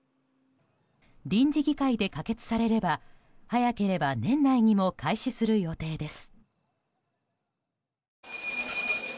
臨時議会で可決されれば早ければ年内にも開始する予定です。